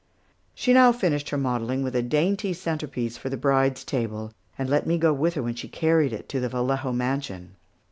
She now finished her modelling with a dainty centrepiece for the bride's table, and let me go with her when she carried it to the Vallejo mansion.